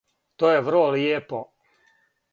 То је врло лијепо.